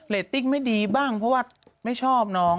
ติ๊กไม่ดีบ้างเพราะว่าไม่ชอบน้อง